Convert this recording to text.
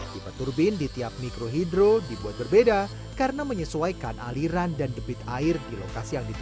tipe turbin di tiap mikrohidro dibuat berbeda karena menyesuaikan aliran dan debit air di lokasi yang diperlukan